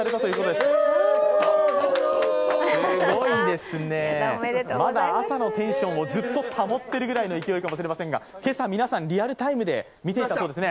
すごいですね、まだ朝のテンションをずっと保っているぐらいかもしれませんが、今朝、皆さんリアルタイムで見ていたそうですね。